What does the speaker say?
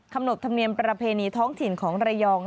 หนบธรรมเนียมประเพณีท้องถิ่นของระยอง